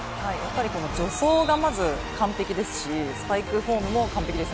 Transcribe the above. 助走がまず完璧ですしスパイクフォームも完璧です。